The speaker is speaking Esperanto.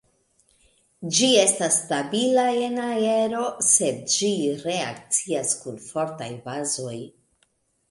Ĝi estas stabila en aero sed ĝi reakcias kun fortaj bazoj.